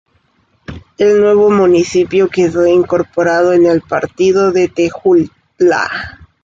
El nuevo municipio quedó incorporado en el partido de Tejutla.